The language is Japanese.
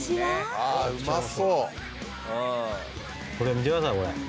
見てくださいこれ。